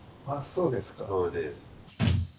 そうですか。